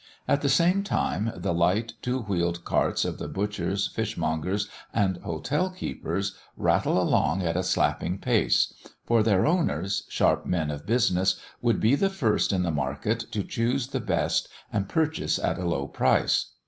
At the same time, the light, two wheeled carts of the butchers, fishmongers, and hotel keepers, rattle along at a slapping pace; for their owners sharp men of business would be the first in the market to choose the best and purchase at a low price.